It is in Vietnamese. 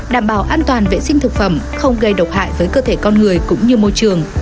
đảm bảo an toàn vệ sinh thực phẩm không gây độc hại với cơ thể con người cũng như môi trường